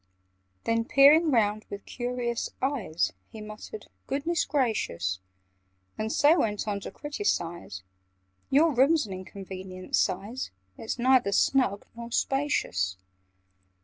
Then, peering round with curious eyes, He muttered "Goodness gracious!" And so went on to criticise— "Your room's an inconvenient size: It's neither snug nor spacious.